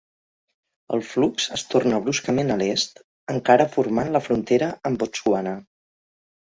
El flux es torna bruscament a l'est, encara formant la frontera amb Botswana.